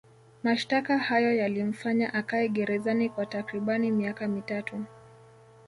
Mashtaka hayo yalimfanya akae gerezani kwa takribani miaka mitatu